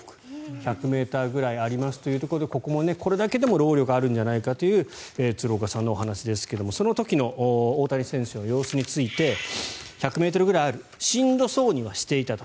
１００ｍぐらいありますというところでここだけでも労力あるんじゃないかという鶴岡さんのお話ですがその時の大谷選手の様子について１００ｍくらいあるしんどそうにはしていたと。